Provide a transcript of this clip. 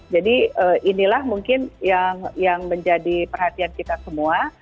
jadi inilah mungkin yang menjadi perhatian kita semua